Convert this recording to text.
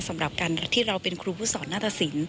สำหรับการที่เราเป็นครูผู้สอนนาตสิน